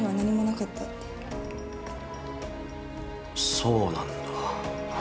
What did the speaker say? そうなんだ。